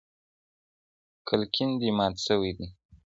کلکین دي مات سوی دی.